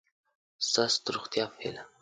ستاسو د روغتیا په هیله